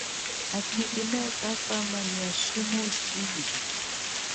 A Pygmees kathwama nyi shimu chihi.